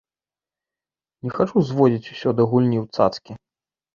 Не хачу зводзіць усё да гульні ў цацкі.